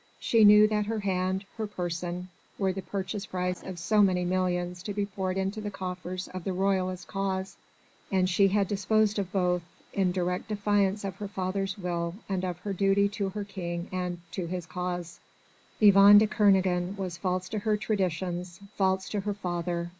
She knew that her hand, her person, were the purchase price of so many millions to be poured into the coffers of the royalist cause, and she had disposed of both, in direct defiance of her father's will and of her duty to her King and to his cause! Yvonne de Kernogan was false to her traditions, false to her father!